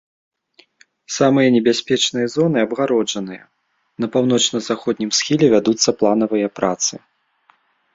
Самыя небяспечныя зоны абгароджаныя, на паўночна-заходнім схіле вядуцца планавыя працы.